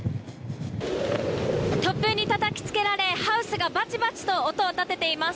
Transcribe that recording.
突風にたたきつけられハウスがバチバチと音を立てています。